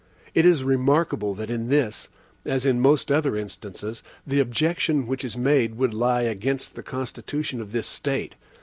It is remarkable that in this, as in most other instances, the objection which is made would lie against the constitution of this State.